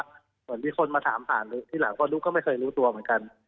เหมือนมีคนมาถามผ่านทีหลังว่านุ๊กก็ไม่เคยรู้ตัวเหมือนกัน